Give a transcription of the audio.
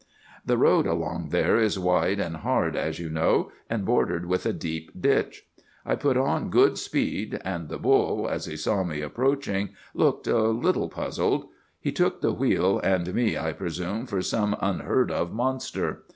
"'The road along there is wide and hard, as you know, and bordered with a deep ditch. I put on good speed; and the bull, as he saw me approaching, looked a little puzzled. He took the wheel and me, I presume, for some unheard of monster.